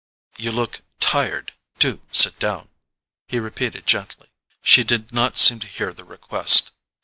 "You look tired—do sit down," he repeated gently. She did not seem to hear the request.